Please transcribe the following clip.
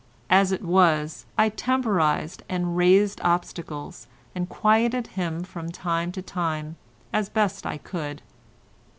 As it was, I temporised and raised obstacles, and quieted him from time to time as best I could.